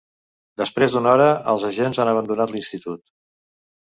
Després d’una hora, els agents han abandonat l’institut.